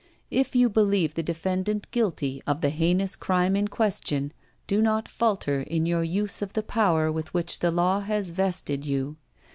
If you believe the defendant guilty of the heinous crime in question, do not falter in your use of the power with which the law has vested you.